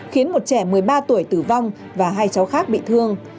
khiến một trẻ một mươi ba tuổi tử vong và hai cháu khác bị thương